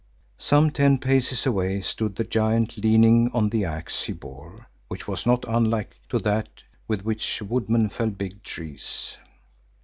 Some ten paces away stood the giant leaning on the axe he bore, which was not unlike to that with which woodmen fell big trees.